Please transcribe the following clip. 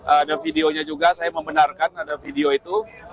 ada videonya juga saya membenarkan ada video itu